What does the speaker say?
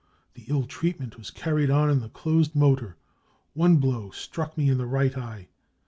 " The ill treatment was carried on in the closed motor ; one blow struck me in the right eye.